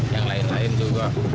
yang lain lain juga